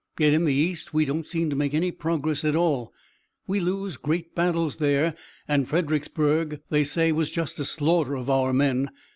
Yet in the East we don't seem to make any progress at all. We lose great battles there and Fredericksburg they say was just a slaughter of our men.